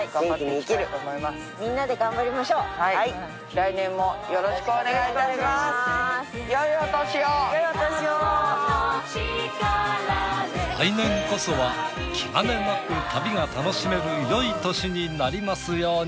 来年こそは気兼ねなく旅が楽しめるよい年になりますように。